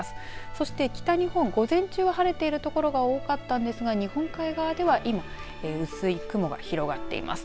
そして北日本、午前中は晴れている所が多かったんですが日本海側では薄い雲が広がっています。